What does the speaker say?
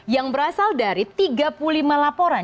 yang berasal dari tiga puluh lima laporan